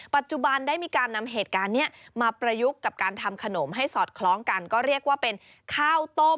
ปัจจุบันได้มีการนำเหตุการณ์นี้มาประยุกต์กับการทำขนมให้สอดคล้องกันก็เรียกว่าเป็นข้าวต้ม